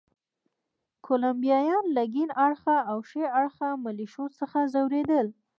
کولمبیایان له کیڼ اړخه او ښي اړخه ملېشو څخه ځورېدل.